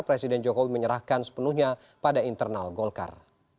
presiden jokowi menyerahkan sepenuhnya pada internal golkar